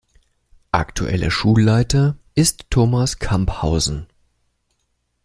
Aktueller Schulleiter ist Thomas Kamphausen.